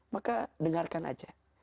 maka dengarkan aja